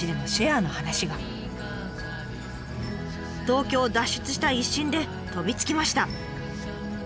東京を脱出したい一心で飛びつきました。